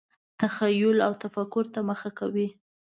تخیل او تفکر ته مخه کوي.